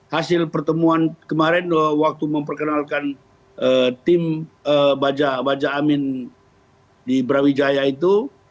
hasil pertemuan kemarin waktu memperkenalkan tim baja amin di brawijaya itu